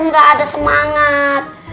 gak ada semangat